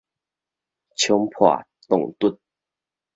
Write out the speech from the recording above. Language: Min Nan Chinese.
衝破撞突